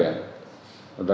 luka sementara kan tiga ya